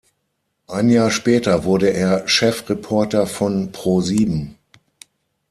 Ein Jahr später wurde er Chefreporter von Pro Sieben.